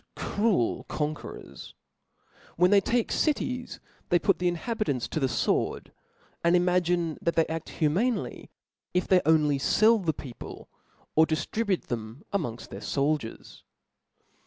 cruel conquerors : when they take cities, they put^^^ the inhabitants to the Tword, and imagine that they aft humanely, if they only fell the people, or di ftribute them amongft their foldiers.